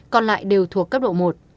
còn lại đều thuộc cấp độ một